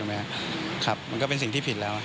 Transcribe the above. ครับมันก็เป็นสิ่งที่ผิดแล้ว